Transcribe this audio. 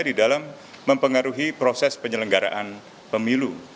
di dalam mempengaruhi proses penyelenggaraan pemilu